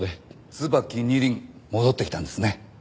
『椿二輪』戻ってきたんですね。